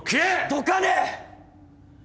どかねえ！